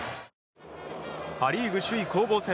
パ・リーグ首位攻防戦。